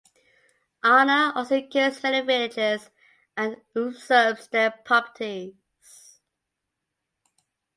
Anna also kills many villagers and usurps their properties.